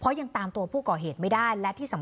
เพราะยังตามตัวผู้ก่อเหตุไม่ได้